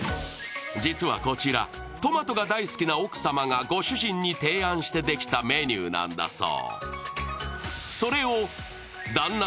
実はこちら、トマトが大好きな奥様がご主人に提案してできたメニューなんだそう。